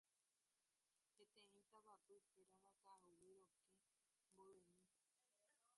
peteĩ tavapy hérava Ka'aguy Rokẽ mboyvemi